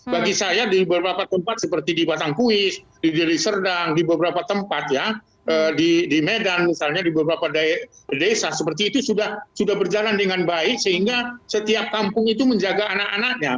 bagi saya di beberapa tempat seperti di batangkuis di deli serdang di beberapa tempat ya di medan misalnya di beberapa desa seperti itu sudah berjalan dengan baik sehingga setiap kampung itu menjaga anak anaknya